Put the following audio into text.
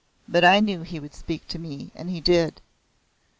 But I knew he would speak to me, and he did."